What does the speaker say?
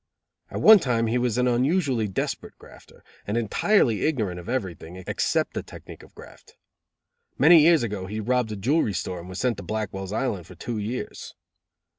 At one time he was an unusually desperate grafter; and entirely ignorant of everything, except the technique of theft. Many years ago he robbed a jewelry store and was sent to Blackwell's Island for two years.